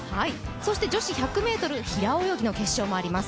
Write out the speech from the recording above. そして女子１００ｍ平泳ぎの決勝もあります。